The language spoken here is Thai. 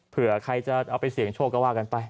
เผื่อใครจะเอาไปเสี่ยงโชคก็ว่ากันไป